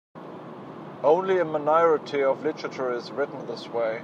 Only a minority of literature is written this way.